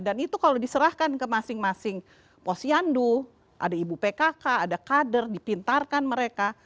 dan itu kalau diserahkan ke masing masing posyandu ada ibu pkk ada kader dipintarkan mereka